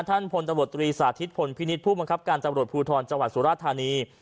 พลตำรวจตรีสาธิตพลพินิษฐ์ผู้บังคับการตำรวจภูทรจังหวัดสุราธานี